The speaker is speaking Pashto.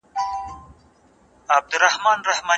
خپل هیواد له زوال څخه وژغورئ.